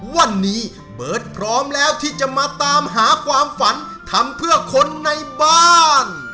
วันนี้เบิร์ตพร้อมแล้วที่จะมาตามหาความฝันทำเพื่อคนในบ้าน